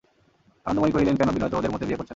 আনন্দময়ী কহিলেন, কেন, বিনয় তো ওদের মতে বিয়ে করছে না।